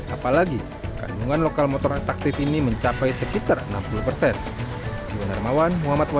apalagi kandungan lokal motor taktis ini mencapai sekitar enam puluh persen